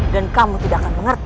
dan kamu tidak akan mengerti